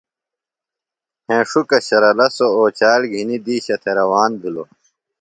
ہینݜُکہ شرلہ سوۡ اوچال گِھنیۡ دِیشہ تھےۡ روان بِھلوۡ۔